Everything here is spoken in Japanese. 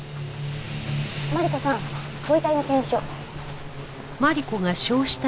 マリコさんご遺体の検視を。